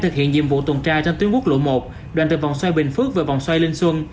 thực hiện nhiệm vụ tuần tra trên tuyến quốc lộ một đoàn từ vòng xoay bình phước về vòng xoay linh xuân